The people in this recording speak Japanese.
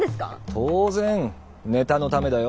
当然ネタのためだよ。